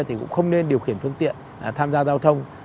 thì cũng không nên điều khiển phương tiện tham gia giao thông